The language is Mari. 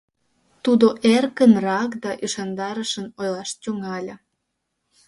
Тудо эркынрак да ӱшандарышын ойлаш тӱҥале: